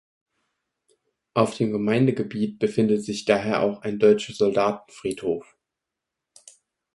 Auf dem Gemeindegebiet befindet sich daher auch ein deutscher Soldatenfriedhof.